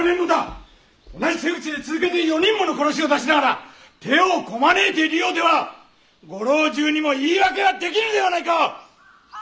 同じ手口で続けて４人もの殺しを出しながら手をこまねいているようではご老中にも言い訳ができぬではないか！